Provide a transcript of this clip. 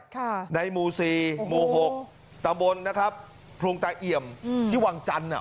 ค่ะในหมู่สี่หมู่หกตะบนนะครับพรุงตาเอี่ยมอืมที่วังจันทร์อ่ะ